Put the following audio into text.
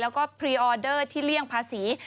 แล้วก็พรีออเดอร์ที่เลี่ยงภาษี